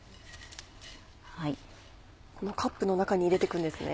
このカップの中に入れてくんですね。